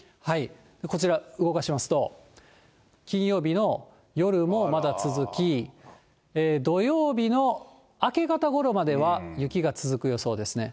こちら、動かしますと、金曜日の夜もまだ続き、土曜日の明け方ごろまでは雪が続く予想ですね。